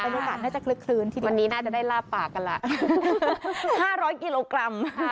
วันนี้น่าจะได้ลาบปากกันละ๕๐๐กิโลกรัม